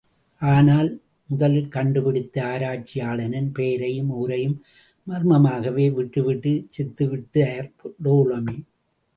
ஆனால், முதலில் கண்டு பிடித்த ஆராய்ச்சியாளனின் பெயரையும் ஊரையும் மர்மமாகவே விட்டு விட்டுச் செத்து விட்டார் டோலமி.